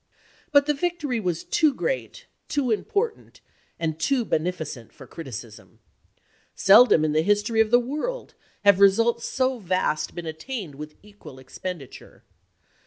But the victory was too great, too important, and too beneficent for criticism. Seldom in the history of the world have results so vast been attained with equal expenditure.